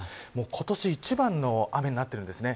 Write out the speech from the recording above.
今年一番の雨になっているんです。